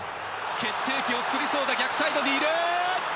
決定機を作りそうだ、逆サイドにいる。